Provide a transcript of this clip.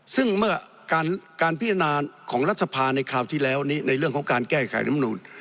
ซึ่งเมื่อการพิจารณาของรัฐสภาในคราวที่แล้วนี้ในเรื่องของการแก้ไขรำนูน